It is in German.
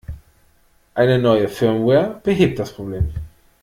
Eine neue Firmware behebt das Problem.